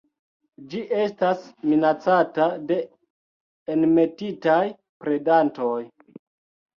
Ĝi estas minacata de enmetitaj predantoj.